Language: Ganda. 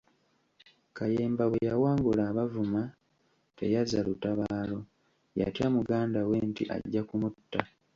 Kayemba bwe yawangula Abavuma teyazza lutabaalo, yatya muganda we nti ajja kumutta.